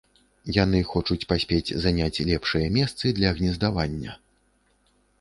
Яны хочуць паспець заняць лепшыя месцы для гнездавання.